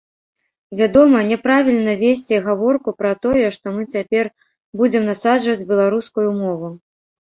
Вядома, няправільна весці гаворку пра тое, што мы цяпер будзем насаджваць беларускую мову.